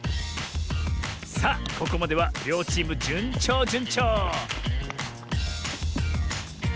さあここまではりょうチームじゅんちょうじゅんちょう！